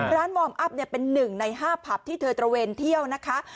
วอร์มอัพเป็น๑ใน๕ผับที่เธอตระเวนเที่ยวนะคะ